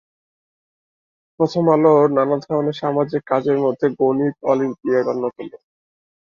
প্রথম আলোর নানা ধরনের সামাজিক কাজের মধ্যে গণিত অলিম্পিয়াড অন্যতম।